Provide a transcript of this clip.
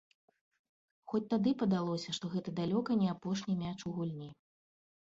Хоць тады падалося, што гэта далёка не апошні мяч у гульні.